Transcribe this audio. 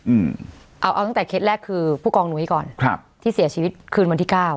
อืมเอาเอาตั้งแต่เคล็ดแรกคือผู้กองหนุ้ยก่อนครับที่เสียชีวิตคืนวันที่เก้า